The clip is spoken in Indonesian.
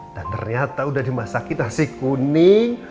dan ternyata udah dimasakin nasi kuning